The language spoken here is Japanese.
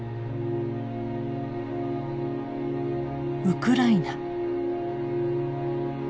ウクライナ。